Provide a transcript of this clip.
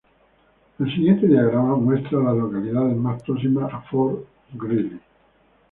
El siguiente diagrama muestra a las localidades más próximas a Fort Greely.